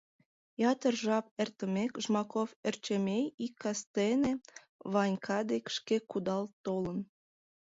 Ятыр жап эртымек, Жмаков Ӧрчемей ик кастене Ванька дек шке кудал толын.